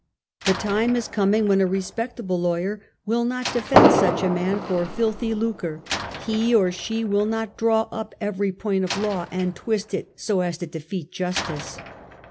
The time is coming when a respectable lawyer will not defend such a man for filthy lucre — he or she will not draw up every point of law and twist it so as to defeat justice.